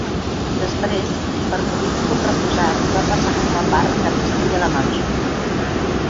Després, per motius contraposats va passar a formar part de Castella-la Manxa.